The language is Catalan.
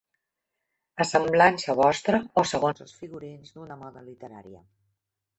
A semblança vostra, o segons els figurins d'una moda literària.